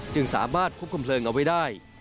จึงสามารถควบคุมเพลิงเอาไว้ได้